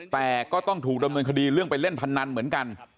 แต่ก็ต้องถูกดำเนินคดีเรื่องไปเล่นพนันเหมือนกัน